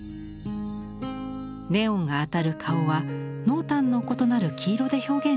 ネオンが当たる顔は濃淡の異なる黄色で表現しました。